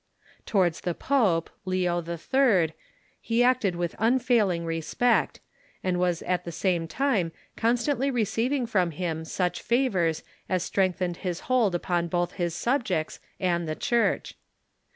Towards the pope, Leo HI., he acted with unfailing respect, and was at the same time constantly receiving from him such favors as strengthened his hold upon both his subjects and the Church.